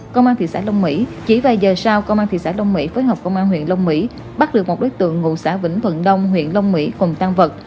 công an thị xã long mỹ chỉ vài giờ sau công an thị xã đông mỹ phối hợp công an huyện long mỹ bắt được một đối tượng ngụ xã vĩnh thuận đông huyện long mỹ cùng tan vật